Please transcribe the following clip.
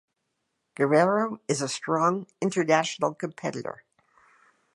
Guerrero is a strong international competitor.